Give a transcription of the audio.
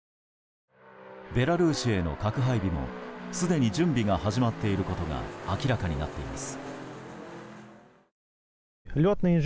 ベラルーシへの核配備もすでに準備が始まっていることが明らかになっています。